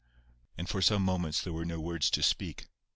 And for some moments there were no words to speak.